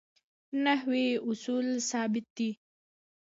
نحوي اصول ثابت دي.